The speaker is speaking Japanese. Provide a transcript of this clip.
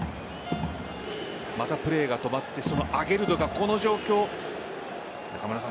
またプレーが止まってアゲルドがこの状況。